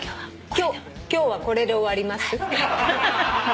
「今日はこれで終わります」？